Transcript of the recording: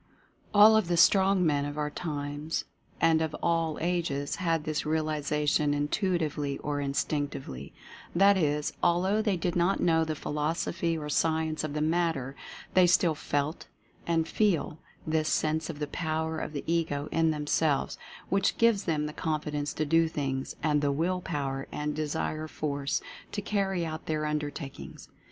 All of the Strong Men of our times, and of all ages, had this realization, intuitively or instinctively; that is, although they did not know the philosophy or science of the matter, they still felt, and feel, this sense of the Power of the Ego in themselves, which gives them the confidence to do things and the Will Power and Desire Force to carry out their undertakings.